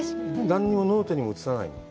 何にもノートにも写さないの？